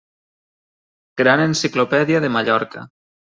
Gran Enciclopèdia de Mallorca.